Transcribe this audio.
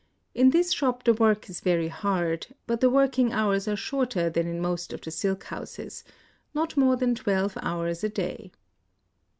In this shop the work is very hard ; but the working hours are shorter than in most of the silk houses, — not more than twelve hours a day."